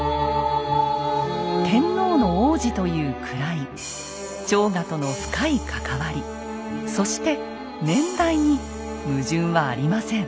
天皇の皇子という位朝賀との深い関わりそして年代に矛盾はありません。